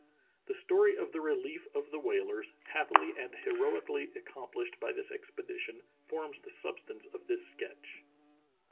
The story of the relief of the whalers, happily and heroically accomplished by this expedition, forms the substance of this sketch.